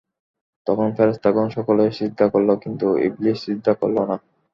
তখন ফেরেশতাগণ সকলেই সিজদা করল কিন্তু ইবলীস সিজদা করল না।